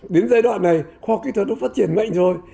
đến giai đoạn này khoa kỹ thuật nó phát triển mạnh rồi